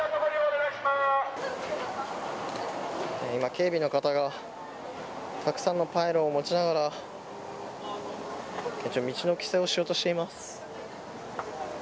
今、警備の方がたくさんのパイロを持ちながら道の規制をしようとしています。